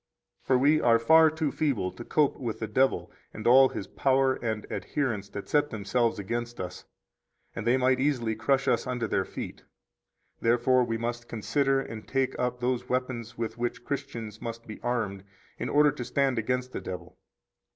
For we are far too feeble to cope with the devil and all his power and adherents that set themselves against us, and they might easily crush us under their feet. Therefore we must consider and take up those weapons with which 31 Christians must be armed in order to stand against the devil.